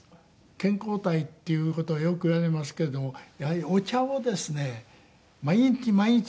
健康体っていう事はよく言われますけれどもやはりお茶をですね毎日毎日頂いておりますからね。